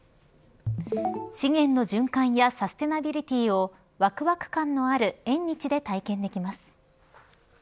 資源の循環やサステナビリティをわくわく感のある縁日で体験できます。